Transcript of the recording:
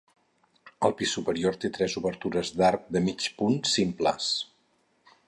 El pis superior té tres obertures d’arc de mig punt simples.